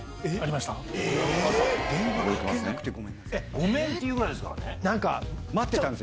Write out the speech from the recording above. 「ごめん」って言うぐらいですからね。